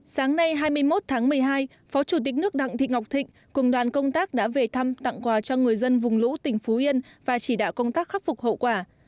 sáng nay hai mươi một tháng một mươi hai phó chủ tịch nước đặng thị ngọc thịnh cùng đoàn công tác đã về thăm tặng quà cho người dân vùng lũ tỉnh phú yên và chỉ đạo công tác khắc phục hậu quả